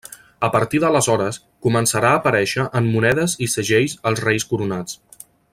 A partir d'aleshores començarà a aparèixer en monedes i segells els reis coronats.